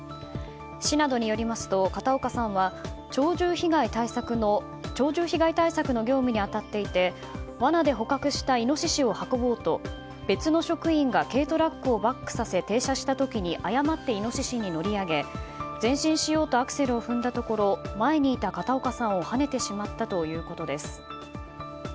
市などによりますと、片岡さんは鳥獣被害対策の業務に当たっていて罠で捕獲したイノシシを運ぼうと別の職員が軽トラックをバックさせ停車した時に誤ってイノシシに乗り上げ前進しようとアクセルを踏んだところ前にいた片岡さんをはねてしまったということです。